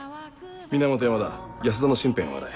源山田安田の身辺を洗え。